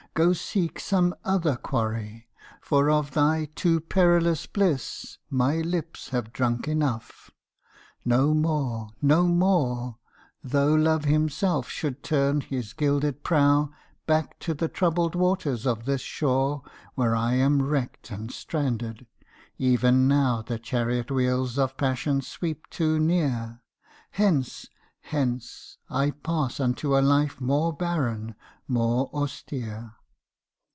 Go seek some other quarry! for of thy too perilous bliss. My lips have drunk enough,—no more, no more,— Though Love himself should turn his gilded prow Back to the troubled waters of this shore Where I am wrecked and stranded, even now The chariot wheels of passion sweep too near, Hence! Hence! I pass unto a life more barren, more austere.